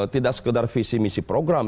tidak sekedar visi misi program